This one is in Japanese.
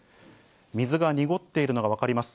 水が濁っているのが分かります。